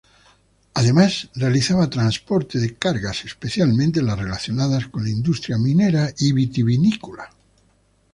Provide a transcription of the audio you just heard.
Además realizaba transporte de cargas especialmente las relacionadas con la industria minera y vitivinícola.